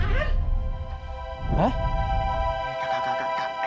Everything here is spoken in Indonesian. kak kak kak